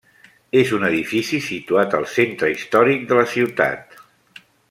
És un edifici situat al centre històric de la ciutat.